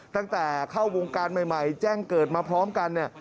ตั้งแต่เข้าวงการใหม่แจ้งเกิดมาพร้อมกันเนี่ย